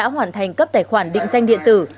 hoàn thành cấp tài khoản định danh điện tử